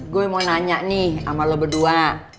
gue mau nanya nih sama lo berdua